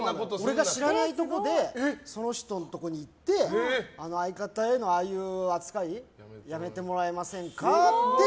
俺が知らないところでその人のところに行って相方へのああいう扱いやめてもらえませんかって。